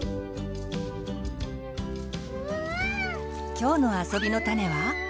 今日の「あそびのタネ」は。